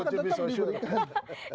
apa maksudnya bisa be sure